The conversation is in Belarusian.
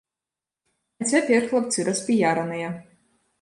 А цяпер хлапцы распіяраныя.